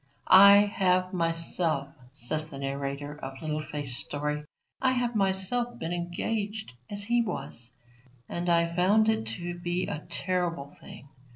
I have myself, says the narrator of Little Faith's story, I have myself been engaged as he was, and I found it to be a terrible thing.